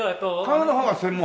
家具の方が専門？